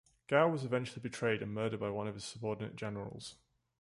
Guo was eventually betrayed and murdered by one of his subordinate generals.